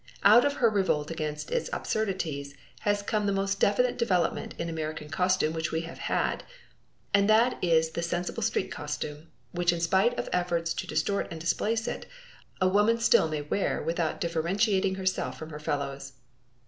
Out of her revolt against its absurdities has come the most definite development in American costume which we have had, and that is the sensible street costume, which in spite of efforts to distort and displace it, a woman still may wear without differentiating herself from her fellows.